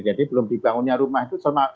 jadi belum dibangunnya rumah itu